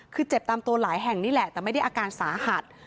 คือเจ็บตามตัวหลายแห่งนี่แหละแต่ไม่ได้อาการสาหัส